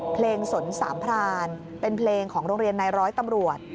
สนสามพรานเป็นเพลงของโรงเรียนในร้อยตำรวจ